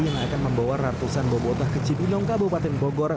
yang akan membawa ratusan bobotoh ke cibinong kabupaten bogor